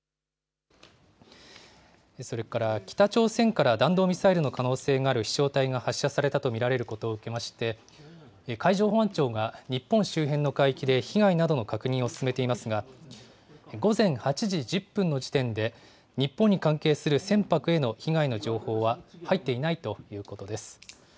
それから北朝鮮から弾道ミサイルの可能性がある飛しょう体が発射されたと見られることを受けまして、海上保安庁が日本周辺の海域で被害などの確認を進めていますが、午前８時１０分の時点で、日本に関係する船舶への被害の情報は入っていないということです。